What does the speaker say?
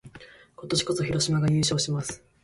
今年こそ、広島が優勝します！